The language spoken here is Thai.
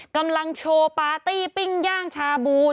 กำลังโชว์ปาร์ตี้ปิ้งย่างชาบู